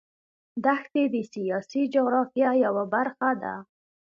دښتې د سیاسي جغرافیه یوه برخه ده.